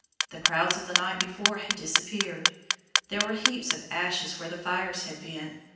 The crowds of the night before had disappeared. There were heaps of ashes where the fires had been.